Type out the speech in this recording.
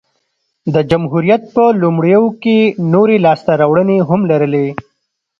د جمهوریت په لومړیو کې نورې لاسته راوړنې هم لرلې